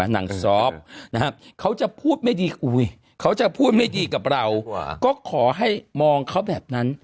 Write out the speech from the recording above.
นางซอฟเขาจะพูดไม่ดีกับเราก็ขอให้มองเขาแบบนั้น